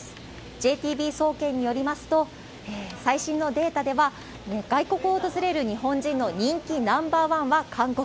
ＪＴＢ総研によりますと、最新のデータでは、外国を訪れる日本人の人気ナンバー１は韓国。